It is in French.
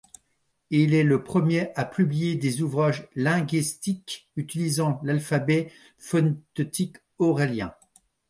Il est le premier à publier des ouvrages linguistiques utilisant l’alphabet phonétique ouralien.